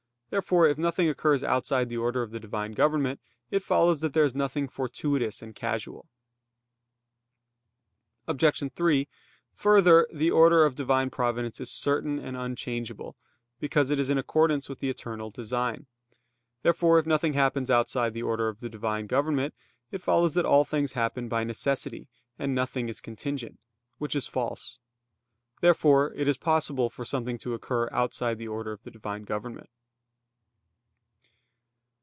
Therefore, if nothing occurs outside the order of the Divine government, it follows that there is nothing fortuitous and casual. Obj. 3: Further, the order of Divine Providence is certain and unchangeable; because it is in accordance with the eternal design. Therefore, if nothing happens outside the order of the Divine government, it follows that all things happen by necessity, and nothing is contingent; which is false. Therefore it is possible for something to occur outside the order of the Divine government.